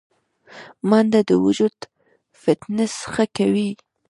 منډه د وجود فټنس ښه کوي